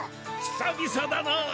久々だな！